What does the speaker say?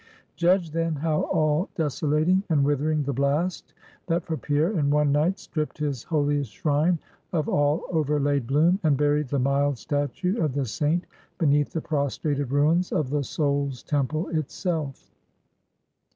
Judge, then, how all desolating and withering the blast, that for Pierre, in one night, stripped his holiest shrine of all over laid bloom, and buried the mild statue of the saint beneath the prostrated ruins of the soul's temple itself.